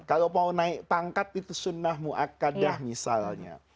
kalau mau naik pangkat itu sunnah mu'akadah misalnya